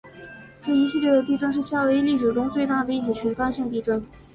这一系列的地震是夏威夷历史中最大的一起群发性地震。